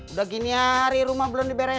udah gini hari rumah belum diberesin